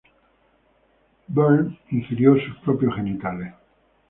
Bernd ingirió sus propios genitales.